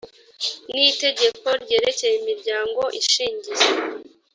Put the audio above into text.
n itegeko ryerekeye imiryango ishingiye